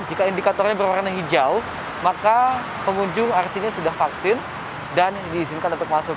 jika indikatornya berwarna hijau maka pengunjung artinya sudah vaksin dan diizinkan untuk masuk